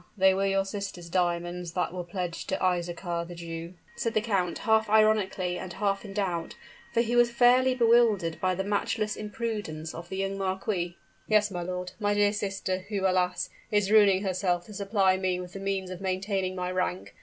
they were your sister's diamonds that were pledged to Isaachar the Jew?" said the count, half ironically and half in doubt; for he was fairly bewildered by the matchless impudence of the young marquis. "Yes, my lord my dear sister, who, alas! is ruining herself to supply me with the means of maintaining my rank.